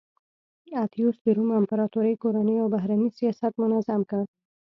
اتیوس د روم امپراتورۍ کورنی او بهرنی سیاست منظم کړ